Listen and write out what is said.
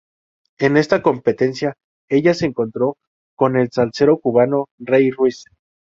En esta competencia ella se encontró con el salsero cubano, Rey Ruiz.